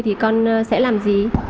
thì con sẽ làm gì